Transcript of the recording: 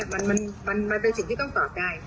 มันเป็นสิ่งที่ต้องตอบได้